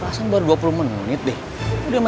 pasien baru dua puluh menit deh